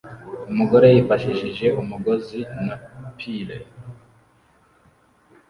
Umugore yifashishije umugozi na pulley